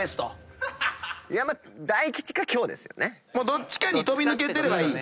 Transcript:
どっちかに飛び抜けてればいい？